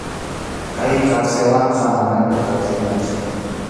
Chay kawsaywanqa manañam kawsayñachu.